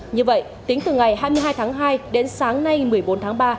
như vậy tính từ ngày hai mươi hai tháng hai đến sáng nay một mươi bốn tháng ba